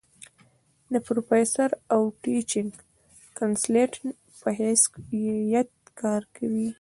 د پروفيسر او ټيچنګ کنسلټنټ پۀ حېث يت کار کوي ۔